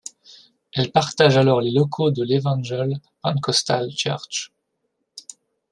Elle partage alors les locaux de l’Evangel Pentecostal Church.